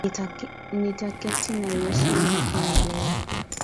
Nitaketi na Yesu huko milele.